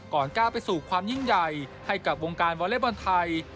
ก้าวไปสู่ความยิ่งใหญ่ให้กับวงการวอเล็กบอลไทย